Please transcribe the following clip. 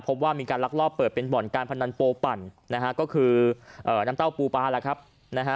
พบว่ามีการลักลอบเปิดเป็นบ่อนการพนันโปปั่นนะฮะก็คือน้ำเต้าปูปลาแล้วครับนะฮะ